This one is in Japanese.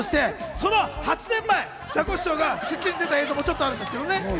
ちなみにお宝映像として、その８年前、ザコシショウが『スッキリ』に出た映像もあるですけどね。